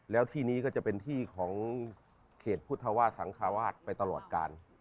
แล้วที่นี้ก็จะเป็นที่ของเขตพุทธวาสสังคาวาสไปตลอดกาล